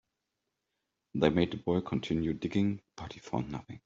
They made the boy continue digging, but he found nothing.